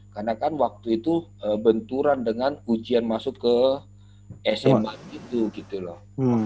karena kan waktu itu benturan dengan ujian masuk ke sma gitu loh